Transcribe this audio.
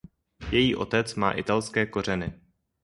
Její otec má italské kořeny.